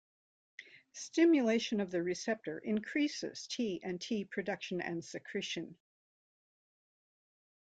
Stimulation of the receptor increases T and T production and secretion.